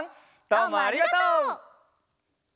どうもありがとう！